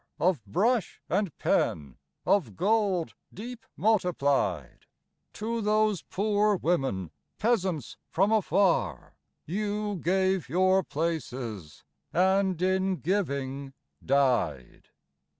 Of brush and pen, of gold deep multiplied, To those poor women, peasants from afar. You gave your places, and in giving died